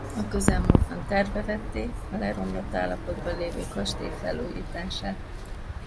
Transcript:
A közelmúltban tervbe vették a leromlott állapotban lévő kastély felújítását.